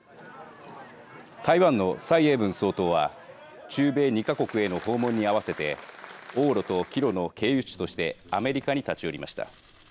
台湾の蔡英文総統は中米２か国への訪問に合わせて往路と帰路の経由地としてアメリカに立ち寄りました。